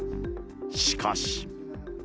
しかし。